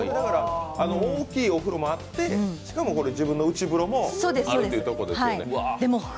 大きいお風呂もあって、しかも、自分の内風呂もあるってことですよね。